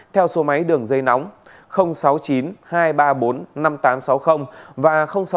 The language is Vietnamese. theo số máy đường dây nóng sáu mươi chín hai trăm ba mươi bốn năm nghìn tám trăm sáu mươi và sáu mươi chín hai trăm ba mươi hai một nghìn sáu trăm sáu mươi